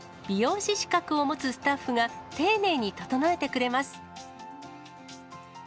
美容師資格を持つスタッフが、丁寧に整えてくれます。